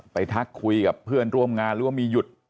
ทักคุยกับเพื่อนร่วมงานหรือว่ามีหยุด